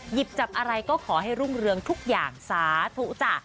หยิบจับอะไรก็ขอให้รุ่งเรืองทุกอย่างสาธุจ้ะ